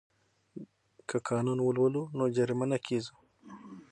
که قانون ولولو نو جریمه نه کیږو.